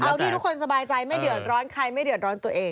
เอาที่ทุกคนสบายใจไม่เดือดร้อนใครไม่เดือดร้อนตัวเอง